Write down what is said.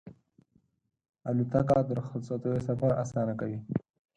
الوتکه د رخصتیو سفر اسانه کوي.